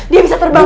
dia bisa terbang